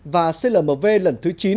và clmv lần thứ chín